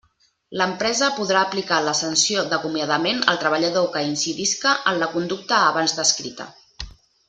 L'empresa podrà aplicar la sanció d'acomiadament al treballador que incidisca en la conducta abans descrita.